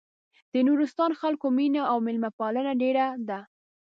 د نورستان خلکو مينه او مېلمه پالنه ډېره ده.